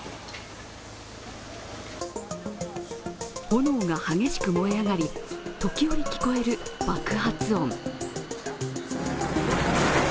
炎が激しく燃え上がり、時折聞こえる爆発音。